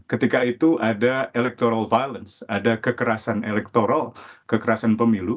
ketika itu ada electoral violence ada kekerasan elektoral kekerasan pemilu